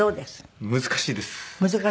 難しいです。